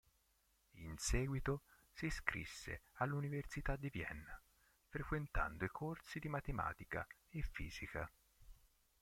In seguito si iscrisse all'Università di Vienna, frequentando i corsi di matematica e fisica.